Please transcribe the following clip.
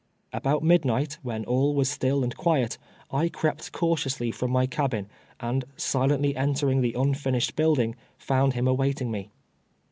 About midnight, when all was still and cpiiet, I crept cautiously from my cabin, and silently enter ing the unfinished building, found him awaiting me.